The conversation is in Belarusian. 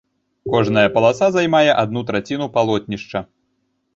Кожная паласа займае адну траціну палотнішча.